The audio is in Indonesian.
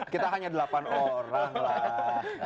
kita hanya delapan orang lah